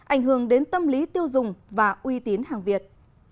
ảnh hưởng đến tâm lý tiêu dùng và ưu tiên hàng việt